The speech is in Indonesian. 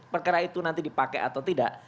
perkara itu nanti dipakai atau tidak